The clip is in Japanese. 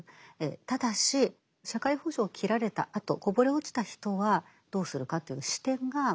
ただし社会保障を切られたあとこぼれ落ちた人はどうするかという視点がここにはないと。